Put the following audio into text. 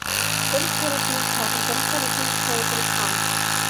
بىر تەرىپى تاغ، بىر تەرىپى چوڭقۇر ھاڭ.